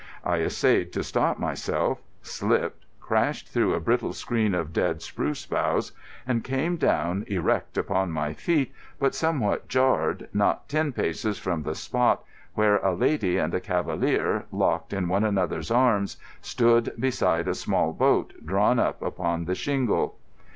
I essayed to stop myself, slipped, crashed through a brittle screen of dead spruce boughs, and came down, erect upon my feet but somewhat jarred, not ten paces from the spot where a lady and a cavalier, locked in one another's arms, stood beside a small boat drawn up upon the shingle.